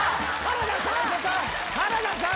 原田さん！